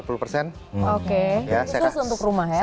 khusus untuk rumah ya